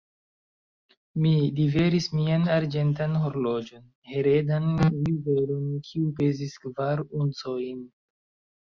Mi liveris mian arĝentan horloĝon, heredan juvelon, kiu pezis kvar uncojn.